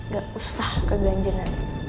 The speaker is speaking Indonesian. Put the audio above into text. ga usah keganjena